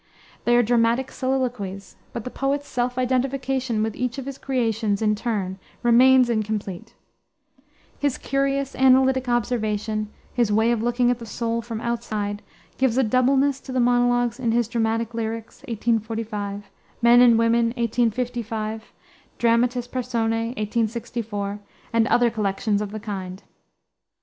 They are dramatic soliloquies; but the poet's self identification with each of his creations, in turn, remains incomplete. His curious, analytic observation, his way of looking at the soul from outside, gives a doubleness to the monologues in his Dramatic Lyrics, 1845, Men and Women, 1855, Dramatis Personae, 1864, and other collections of the kind.